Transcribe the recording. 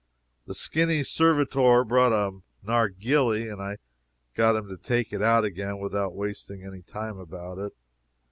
The skinny servitor brought a narghili, and I got him to take it out again without wasting any time about it.